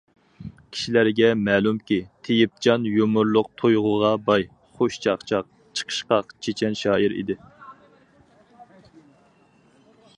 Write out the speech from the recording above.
كىشىلەرگە مەلۇمكى، تېيىپجان يۇمۇرلۇق تۇيغۇغا باي، خۇش چاقچاق، چىقىشقاق، چېچەن شائىر ئىدى.